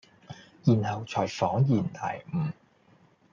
然後才仿然大悟。